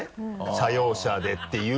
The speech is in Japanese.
社用車でっていうので。